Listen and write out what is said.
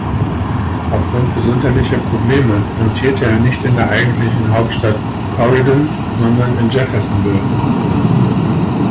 Aufgrund gesundheitlicher Probleme amtierte er nicht in der eigentlichen Hauptstadt Corydon, sondern in Jeffersonville.